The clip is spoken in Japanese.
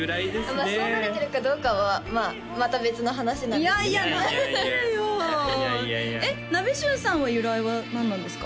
まあそうなれてるかどうかはまた別の話なんですけどいやいやなれてるよえっナベシュンさんは由来はなんなんですか？